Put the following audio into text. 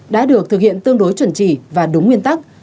đã được thực hiện tương đối chuẩn chỉ và đúng nguyên tắc